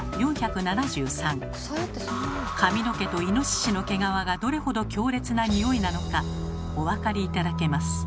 髪の毛とイノシシの毛皮がどれほど強烈なニオイなのかお分かり頂けます。